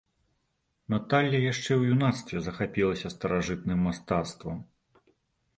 Наталля яшчэ ў юнацтве захапілася старажытным мастацтвам.